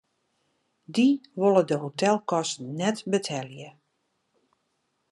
Dy wolle de hotelkosten net betelje.